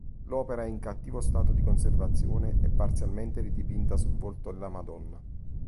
L'opera è in cattivo stato di conservazione e parzialmente ridipinta sul volto della Madonna.